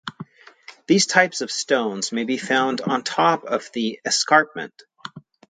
These types of stones may be found on top of the escarpment.